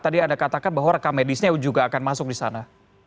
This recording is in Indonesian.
tadi anda katakan bahwa rekamedisnya juga akan masuk di sana